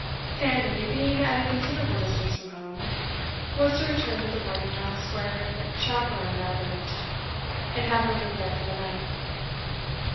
Fanny, being at a considerable distance from home, was to return to the boarding house where her chaperon now lived, and have a room there for the night.